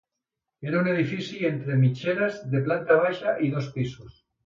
Era un edifici entre mitgeres de planta baixa i dos pisos.